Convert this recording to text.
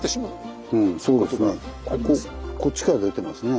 こっちから出てますね。